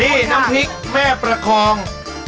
นี่น้ำพริกแม่ประคอง